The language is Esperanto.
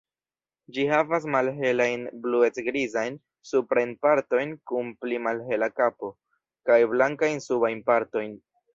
Ĝi havas malhelajn, bluec-grizajn suprajn partojn kun pli malhela kapo, kaj blankajn subajn partojn.